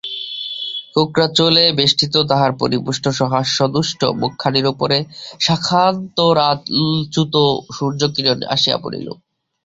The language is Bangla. কোঁকড়া চুলে বেষ্টিত তাহার পরিপুষ্ট সহাস্য দুষ্ট মুখখানির উপরে শাখান্তরালচ্যুত সূর্যকিরণ আসিয়া পড়িল।